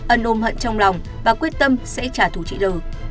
ân ôm hận trong lòng và quyết tâm sẽ trả thù chị đư